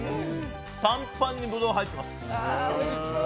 パンパンにブドウが入っています。